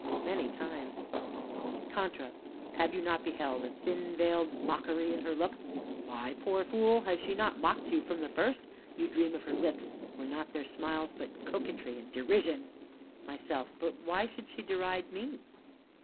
Many times. CONTRA. Have you not beheld a thin veiled mockery in her look? Why, poor fool, has she not mocked you from the first? You dream of her lips. Were not their smiles but coquetry and derision? MYSELF. But why should she deride me?